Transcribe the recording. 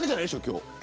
今日。